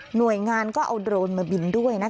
หน่วยงานก็เอาโดรนมาบินด้วย